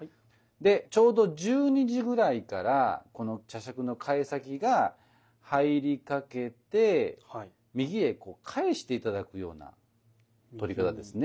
でちょうど十二時ぐらいからこの茶杓の櫂先が入りかけて右へこう返して頂くような取り方ですね。